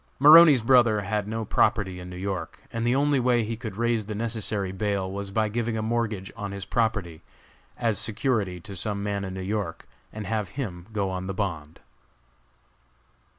Maroney's brother had no property in New York, and the only way he could raise the necessary bail was by giving a mortgage on his property as security to some man in New York, and have him go on the bond.